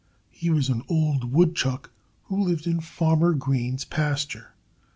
He was an old woodchuck who lived in Farmer Green's pasture.